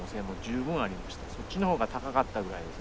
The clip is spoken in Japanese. そっちの方が高かったぐらいです